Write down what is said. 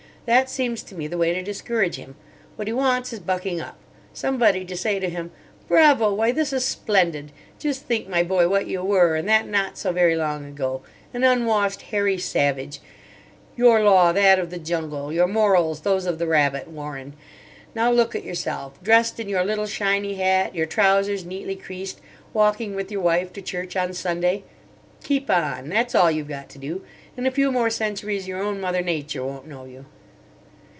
That seems to me the way to discourage him. What he wants is bucking up; somebody to say to him, 'Bravo! why, this is splendid! Just think, my boy, what you were, and that not so very long ago—an unwashed, hairy savage; your law that of the jungle, your morals those of the rabbit warren. Now look at yourself—dressed in your little shiny hat, your trousers neatly creased, walking with your wife to church on Sunday! Keep on—that's all you've got to do. In a few more centuries your own mother Nature won't know you.